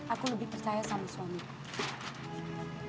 aku lebih percaya sama suamiku